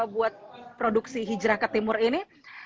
buat produksi hijrah ke timur ini